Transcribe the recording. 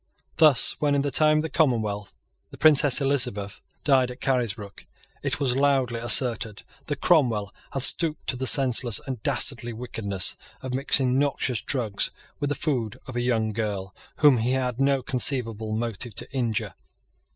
Thus when, in the time of the Commonwealth, the Princess Elizabeth died at Carisbrook, it was loudly asserted that Cromwell had stooped to the senseless and dastardly wickedness of mixing noxious drugs with the food of a young girl whom he had no conceivable motive to injure.